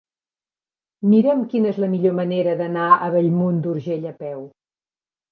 Mira'm quina és la millor manera d'anar a Bellmunt d'Urgell a peu.